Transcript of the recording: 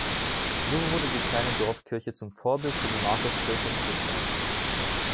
So wurde die kleine Dorfkirche zum Vorbild für die Markuskirche in Stuttgart.